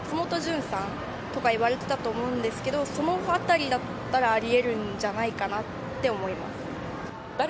井ノ原さんとか、一部ではなんか松本潤さんとかっていわれてたんですけど、そのあたりだったら、ありえるんじゃないかなって思います。